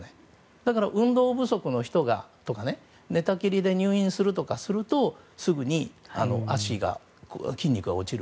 だから、運動不足の人がとか寝たきりで入院するとかするとすぐに足の筋肉が落ちる。